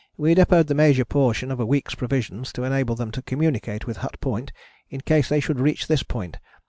We depôted the major portion of a week's provisions to enable them to communicate with Hut Point in case they should reach this point.